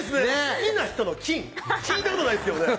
「好きな人の菌」聞いたことないですけどね